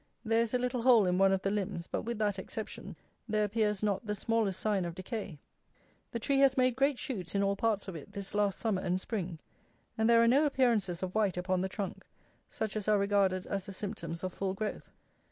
There is a little hole in one of the limbs; but with that exception, there appears not the smallest sign of decay. The tree has made great shoots in all parts of it this last summer and spring; and there are no appearances of white upon the trunk, such as are regarded as the symptoms of full growth.